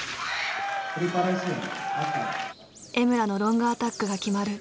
江村のロングアタックが決まる。